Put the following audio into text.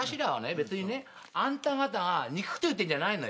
別にねあんた方が憎くて言ってんじゃないのよ。